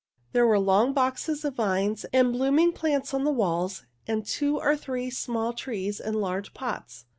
There were long boxes of vines and blooming plants on the walls, and two or three small trees in large pots.